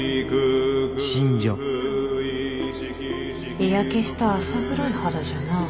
日焼けした浅黒い肌じゃな。